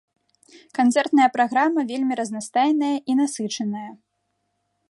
Канцэртная праграма вельмі разнастайная і насычаная.